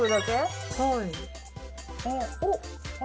おっ！